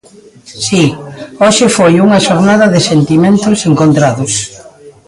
Si, hoxe foi unha xornada de sentimentos encontrados.